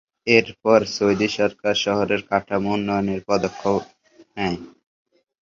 এর পর সৌদি সরকার শহরের কাঠামো উন্নয়নের পদক্ষেপ নেয়।